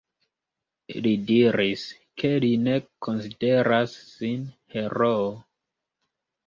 Li diris, ke li ne konsideras sin heroo.